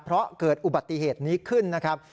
เพราะเกิดอุบัติเหตุนี้ขึ้นนะครับ